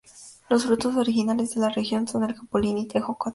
Los frutos originales de la región son el capulín y tejocote.